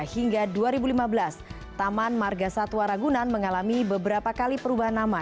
hingga dua ribu lima belas taman marga satwa ragunan mengalami beberapa kali perubahan nama